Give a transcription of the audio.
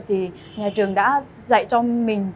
thì nhà trường đã dạy cho mình